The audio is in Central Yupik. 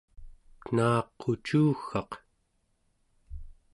pen̄aqucuggaq